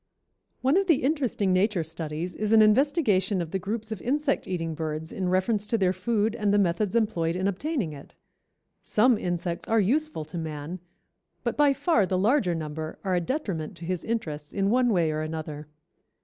_) One of the interesting nature studies is an investigation of the groups of insect eating birds in reference to their food and the methods employed in obtaining it. Some insects are useful to man, but by far the larger number are a detriment to his interests in one way or another.